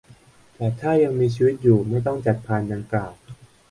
แต่ถ้ายังมีชีวิตอยู่ไม่ต้องจัดพานดังกล่าว